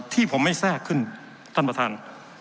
ที่ผมไม่แทรกขึ้นท่านประธาน